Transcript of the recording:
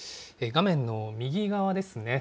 画面の右側ですね。